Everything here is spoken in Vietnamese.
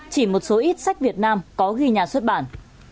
chỉ một số ít sách việt nam có ghi nhà xuất bản